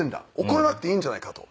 怒らなくていいんじゃないかと。